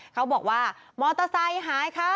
เขาบอกว่ามอเตอร์ไซค์หายค่ะ